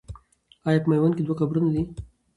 آیا په میوند کې دوه قبرونه دي؟